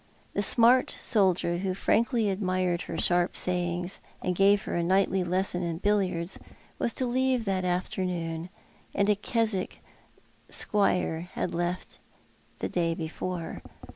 The .smart soldier who frankly admired her sharp sayings and gave The Vicar of St. Judes. 241 bor a nightly lesson in billiards was to leave that afternoon, and a Keswick squire had left the day before.